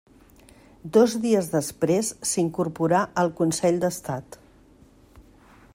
Dos dies després s'incorporà al Consell d'Estat.